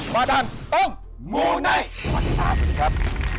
มาทางตรงมูนัยวันนี้ต่อไปนะครับ